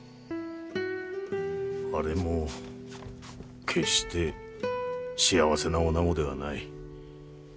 あれも決して幸せな女子ではない。